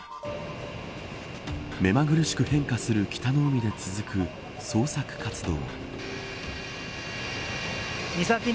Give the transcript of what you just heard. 目まぐるしく変化する北の海で続く捜索活動。